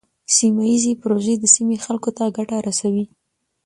سیمه ایزې پروژې د سیمې خلکو ته ګټه رسوي.